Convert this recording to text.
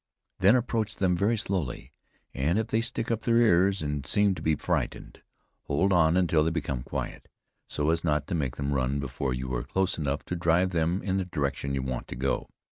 Then approach them very slowly, and if they stick up their heads and seem to be frightened, hold on until they become quiet, so as not to make them run before you are close enough to drive them in the direction you want to go.